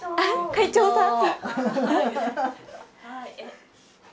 会長さん？